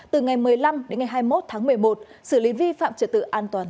từ ngày một mươi năm đến ngày hai mươi một tháng một mươi một xử lý vi phạm trật tự an toàn